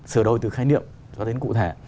sờ đôi từ khái niệm cho đến cụ thể